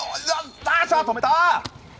止めた！